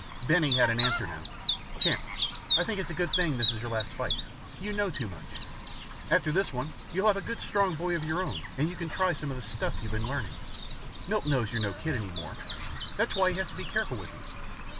Benny had an answer now. "Champ, I think it's a good thing this is your last fight. You know too much. After this one you'll have a good strong boy of your own and you can try some of this stuff you've been learning. Milt knows you're no kid anymore. That's why he has to be careful with you."